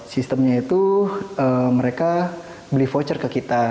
sistemnya itu mereka beli voucher ke kita